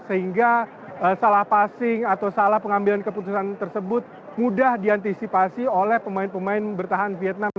sehingga salah passing atau salah pengambilan keputusan tersebut mudah diantisipasi oleh pemain pemain bertahan vietnam